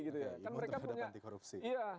imun terhadap anti korupsi